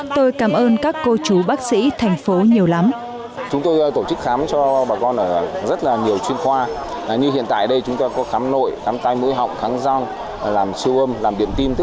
tôi cảm ơn các cô chú bác sĩ thành phố nhiều lắm